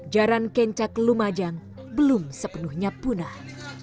jalan kencak lumajang belum sepenuhnya punah